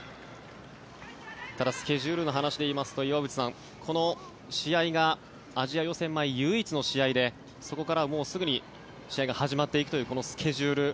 ただ、スケジュールの話で言いますと岩渕さん、この試合がアジア予選前唯一の試合でそこからはすぐに試合が始まっていくというこのスケジュール。